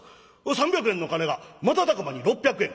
３００円の金が瞬く間に６００円。